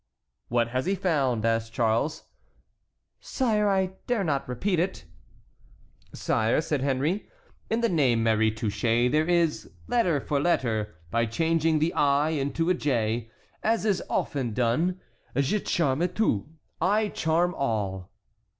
"What has he found?" asked Charles. "Sire, I dare not repeat it." "Sire," said Henry, "in the name Marie Touchet there is, letter for letter, by changing the 'i' into a 'j,' as is often done, Je charme tout." (I charm all.)